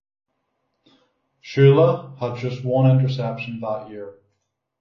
Shula had just one interception that year.